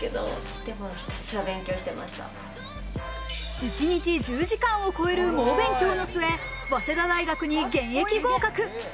一日１０時間を超える猛勉強の末、早稲田大学に現役合格。